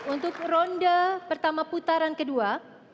untuk ronde pertama putaran kedua